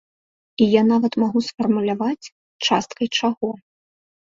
І я нават магу сфармуляваць, часткай чаго.